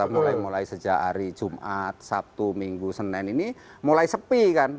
mulai mulai sejak hari jumat sabtu minggu senin ini mulai sepi kan